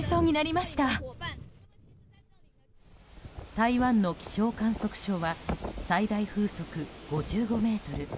台湾の気象観測所は最大風速５５メートル